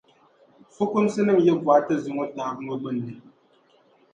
Fukumsinim’ yi bɔhi ti zuŋɔ taabu ŋɔ gbinni.